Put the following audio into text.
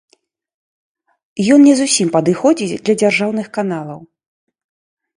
Ён не зусім падыходзіць для дзяржаўных каналаў.